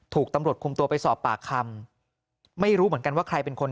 ถูกตำรวจคุมตัวไปสอบปากคำไม่รู้เหมือนกันว่าใครเป็นคน